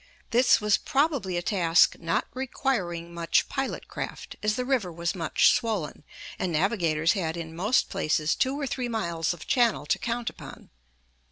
This was probably a task not requiring much pilot craft, as the river was much swollen, and navigators had in most places two or three miles of channel to count upon.